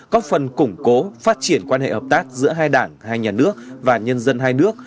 có phần củng cố phát triển quan hệ hợp tác giữa hai đảng hai nhà nước và nhân dân hai nước